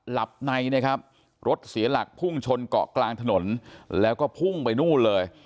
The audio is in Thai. หลับในนะครับรถเสียหลักพุ่งชนเกาะกลางถนนแล้วก็พุ่งไปนู่นเลย